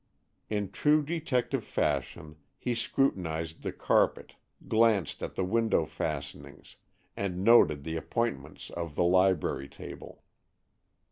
In true detective fashion he scrutinized the carpet, glanced at the window fastenings, and noted the appointments of the library table.